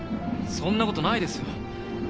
そんな事ないですよ。